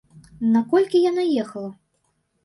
На колькі яна ехала?